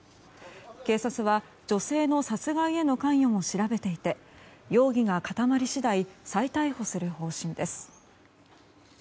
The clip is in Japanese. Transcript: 警察は女性の殺害への関与も調べていて容疑が固まり次第再逮捕する方針です。